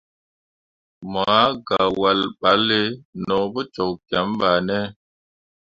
Mo ah gah wahl balle no pu cok kiem bah ne.